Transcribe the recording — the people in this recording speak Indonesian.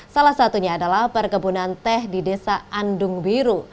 salah satunya adalah perkebunan teh di desa andung biru